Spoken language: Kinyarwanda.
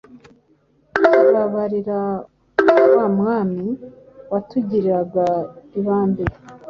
Kibabarira wa Mwami, Watugiriraga ibambe